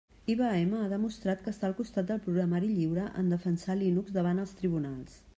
IBM ha demostrat que està al costat del programari lliure en defensar Linux davant els tribunals.